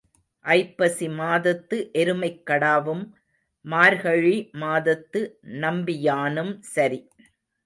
ஐப்பசி மாதத்து எருமைக் கடாவும் மார்கழி மாதத்து நம்பியானும் சரி.